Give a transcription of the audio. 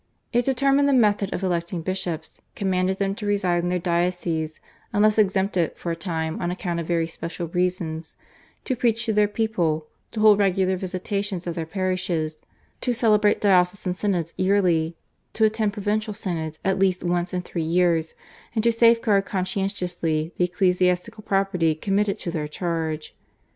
It determined the method of electing bishops, commanded them to reside in their dioceses unless exempted for a time on account of very special reasons, to preach to their people, to hold regular visitations of their parishes, to celebrate diocesan synods yearly, to attend provincial synods at least once in three years, and to safeguard conscientiously the ecclesiastical property committed to their charge.